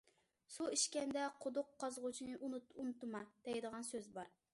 سۇ ئىچكەندە قۇدۇق قازغۇچىنى ئۇنتۇما، دەيدىغان سۆز بار.